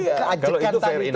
kalau itu fair enough